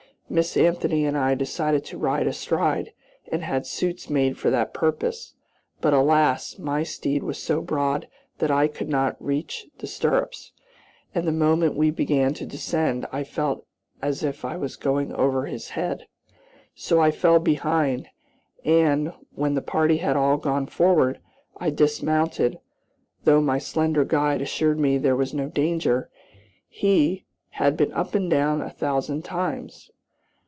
Miss Anthony and I decided to ride astride and had suits made for that purpose; but alas! my steed was so broad that I could not reach the stirrups, and the moment we began to descend, I felt as if I were going over his head. So I fell behind, and, when the party had all gone forward, I dismounted, though my slender guide assured me there was no danger, he "had been up and down a thousand times."